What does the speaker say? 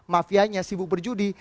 mafianya sibuk berjudi